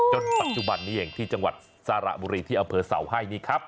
จนปัจจุบันนี้เองที่จังหวัดสระบุรีที่อำเภอเสาให้นี่ครับ